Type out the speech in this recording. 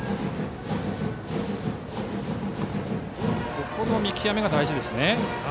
ここの見極めが大事ですね。